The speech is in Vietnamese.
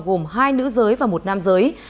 gồm hai nữ giới và một nam giới